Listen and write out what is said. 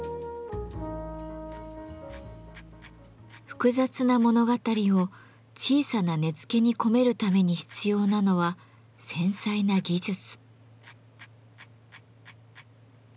複雑な物語を小さな根付に込めるために必要なのは繊細な技術。